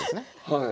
はい。